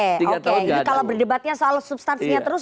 jadi kalau berdebatnya soal substansinya terus